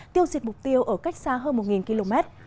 tiêu diệt mục tiêu ở cách xa hơn một km